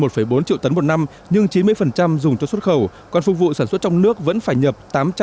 một bốn triệu tấn một năm nhưng chín mươi dùng cho xuất khẩu còn phục vụ sản xuất trong nước vẫn phải nhập